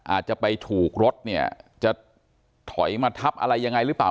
อาจจะไปถูกรถเนี่ยจะถอยมาทับอะไรยังไงหรือเปล่า